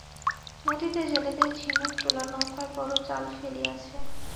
নদীতে জেলেদের ঝিনুক-তোলা নৌকায় বড় জাল ফেলিয়াছে।